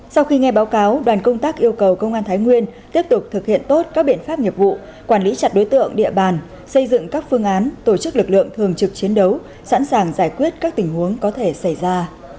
sau khi nghe báo cáo đoàn công tác yêu cầu công an thái nguyên tiếp tục thực hiện tốt các biện pháp nghiệp vụ quản lý chặt đối tượng địa bàn xây dựng các phương án tổ chức lực lượng thường trực chiến đấu sẵn sàng giải quyết các tình huống có thể xảy ra